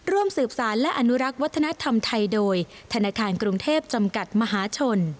ร่วมสืบสารและอนุรักษ์วัฒนธรรมไทยโดยธนาคารกรุงเทพจำกัดมหาชน